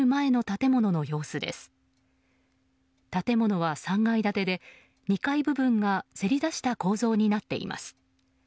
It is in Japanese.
建物は３階建てで２階部分がせり出した構造になっています。